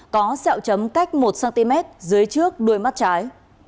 có xeo chấm cách một cm dưới trước đuôi mắt trái